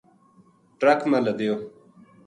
ٹرک ما لدیو